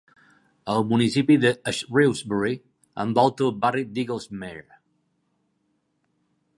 El municipi de Shrewsbury envolta el barri d'Eagles Mere.